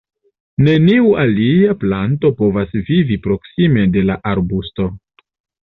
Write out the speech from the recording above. Neniu alia planto povas vivi proksime de la arbusto.